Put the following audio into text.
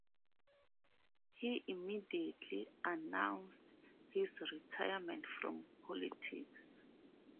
He immediately announced his retirement from politics.